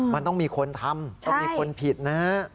มันต้องมีคนทำต้องมีคนผิดนะฮะ